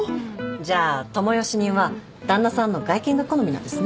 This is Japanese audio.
じゃあ智代主任は旦那さんの外見が好みなんですね。